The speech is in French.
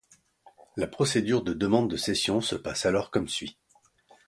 La procédure de demande de session se passe alors comme suit.